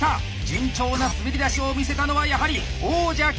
順調な滑り出しを見せたのはやはり王者岸澤。